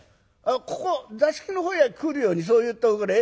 ここ座敷の方へ来るようにそう言っとくれ。